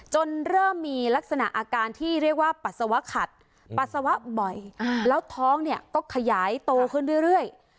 เริ่มมีลักษณะอาการที่เรียกว่าปัสสาวะขัดปัสสาวะบ่อยแล้วท้องเนี่ยก็ขยายโตขึ้นเรื่อย